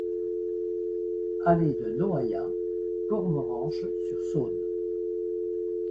Allée de Noaillat, Cormoranche-sur-Saône